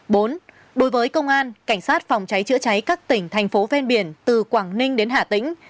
bốn đối với công an cảnh sát phòng cháy chữa cháy các tỉnh thành phố ven biển từ quảng ninh đến hà tĩnh